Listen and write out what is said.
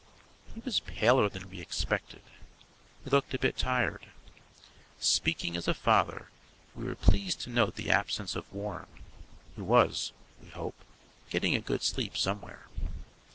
He was paler than we expected. He looked a bit tired. Speaking as a father, we were pleased to note the absence of Warren, who was (we hope) getting a good sleep somewhere.